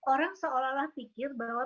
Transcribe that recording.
orang seolah olah pikir bahwa